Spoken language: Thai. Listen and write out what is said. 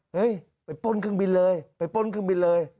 เฮ้ยไปปล้นเครื่องบินเลย